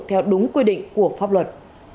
theo đúng quyết định của pháp luật